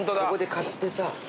ここで買ってさ。